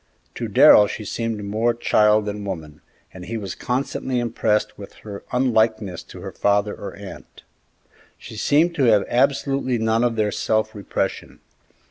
To Darrell she seemed more child than woman, and he was constantly impressed with her unlikeness to her father or aunt. She seemed to have absolutely none of their self repression.